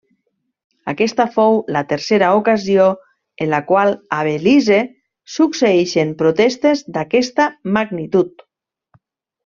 Aquesta fou la tercera ocasió en la qual a Belize succeeixen protestes d'aquesta magnitud.